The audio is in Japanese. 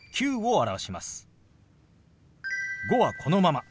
「５」はこのまま。